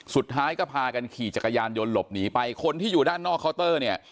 สุดท้ายก็พากันขี่จักรยานยนต์หลบหนีไปคนที่อยู่ด้านนอกเคาน์เตอร์เนี่ย